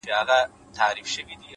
خندا د روح ارامي ده،